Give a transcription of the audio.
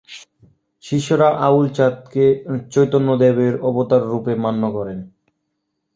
শিষ্যরা আউলচাঁদকে চৈতন্যদেবের অবতাররূপে মান্য করে।